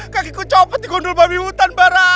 kakiku copot di gondol babi hutan barah